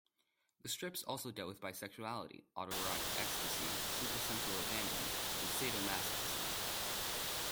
The strips also dealt with bisexuality, autoerotic ecstasy, super-sensual abandon, and sadomasochism.